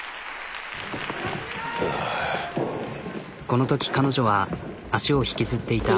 このとき彼女は足を引きずっていた。